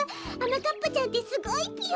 まかっぱちゃんってすごいぴよ。